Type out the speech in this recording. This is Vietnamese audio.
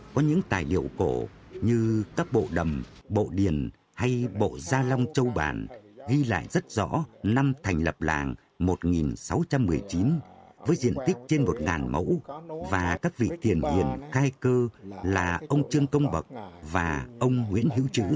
có những tài liệu cổ như các bộ đầm bộ điền hay bộ gia long châu bản ghi lại rất rõ năm thành lập làng một nghìn sáu trăm một mươi chín với diện tích trên một mẫu và các vị tiền hiền cai cơ là ông trương công bậc và ông nguyễn hữu chứ